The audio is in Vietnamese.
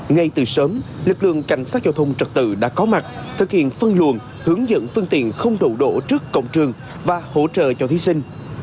ngay từ sớm lực lượng cảnh sát giao thông trật tự đã có mặt thực hiện phân luồn hướng dẫn phương tiện không đổ đổ trước cổng trường và hỗ trợ cho thí sinh